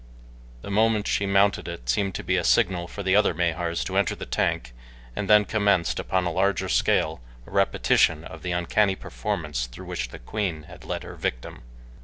The moment she mounted it seemed to be the signal for the other Mahars to enter the tank, and then commenced, upon a larger scale, a repetition of the uncanny performance through which the queen had led her victim.